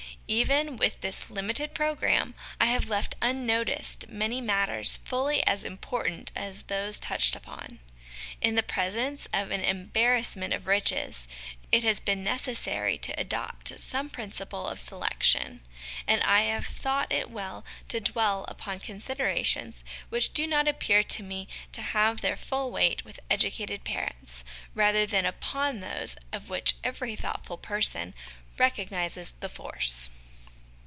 Even with this limited programme, I have left unnoticed many matters fully as important as those touched upon. In the presence of an embarrassment of riches, it has been necessary to adopt some principle of selection ; and I have thought it well to dwell upon considerations which do not appear to me to have their full weight with educated parents, rather than upon those of which every thoughtful person recognises the force.